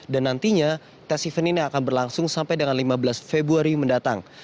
dan nantinya tes event ini akan berlangsung sampai dengan lima belas februari mendatang